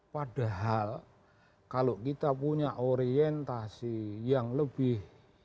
padahal kalau kita punya orientasi yang lebih